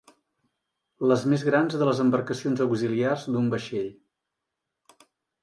Les més grans de les embarcacions auxiliars d'un vaixell.